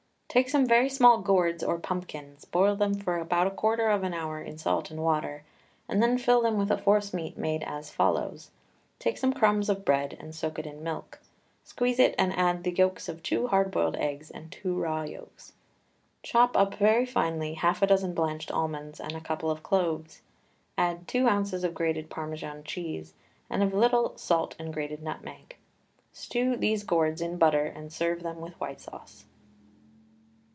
Take some very small gourds or pumpkins, boil them for about a quarter of an hour in salt and water, and then fill them with a forcemeat made as follows: Take some crumb of bread and soak it in milk, squeeze it and add the yolks of two hard boiled eggs and two raw yolks; chop up very finely half a dozen blanched almonds with a couple of cloves; add two ounces of grated Parmesan cheese, and a little salt and grated nutmeg. Stew these gourds in butter and serve them with white sauce.